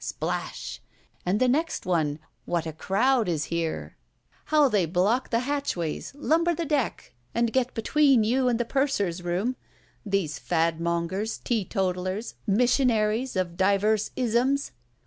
Splash! And the next one? What a crowd is here! How they block the hatchways, lumber the deck, and get between you and the purser's room—these fadmongers, teetotallers, missionaries of divers isms!